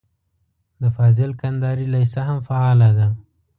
د فاضل کندهاري لېسه هم فعاله ده.